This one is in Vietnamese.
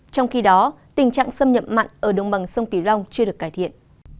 trong khi đó tình trạng xâm nhậm mặn ở đông bằng sông kỳ long chưa được cải thiện